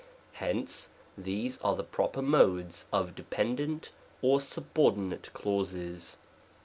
Hence, these are the proper Modes of dependent or subordinate clauses.